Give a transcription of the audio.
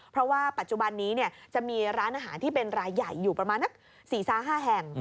เพราะว่าปัจจุบันนี้จะมีร้านอาหารที่เป็นรายใหญ่อยู่ประมาณนัก๔๕แห่ง